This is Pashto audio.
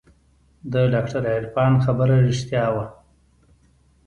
د ډاکتر عرفان خبره رښتيا وه.